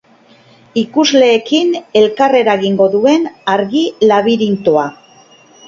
Ikusleekin elkarreragingo duen argi-labirintoa.